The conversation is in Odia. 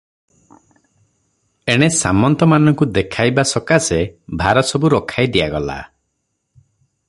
ଏଣେ ସାମନ୍ତ ମାନଙ୍କୁ ଦେଖାଇବା ସକାଶେ ଭାରସବୁ ରଖାଇ ଦିଆଗଲା ।